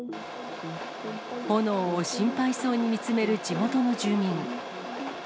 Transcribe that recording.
炎を心配そうに見つめる地元の住民。